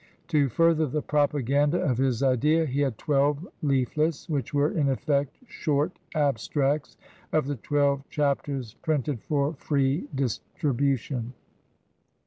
To further the propaganda of his Idea he had twelve Leaflets, which were, in efTect, short abstracts of the twelve chapters printed for free distribu tion.